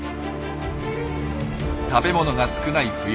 食べ物が少ない冬